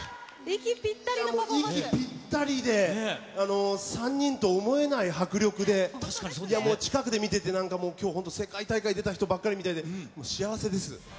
息ぴったりで、３人と思えない迫力で、もう近くで見てて、なんかもう、きょう、本当、世界大会出た人ばっかりみたいで、もう幸せです。